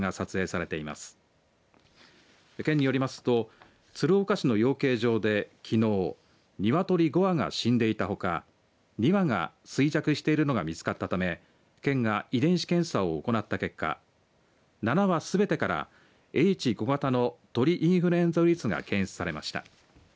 県によりますと鶴岡市の養鶏場できのう、鶏５羽が死んでいたほか２羽が衰弱しているのが見つかったため県が遺伝子検査を行った結果７羽すべてからＨ５型の鳥インフルエンザウイルスが検出されました。